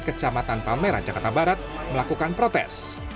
kecamatan pameran jakarta barat melakukan protes